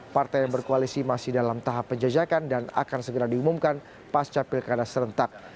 partai yang berkoalisi masih dalam tahap penjajakan dan akan segera diumumkan pasca pilkada serentak